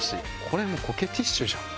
これもうコケティッシュじゃん。